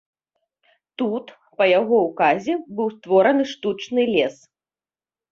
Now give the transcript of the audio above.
Тут па яго ўказе быў створаны штучны лес.